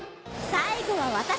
最後は私！